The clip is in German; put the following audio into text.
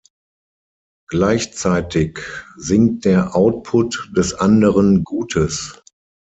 Gleichzeitig sinkt der Output des anderen Gutes.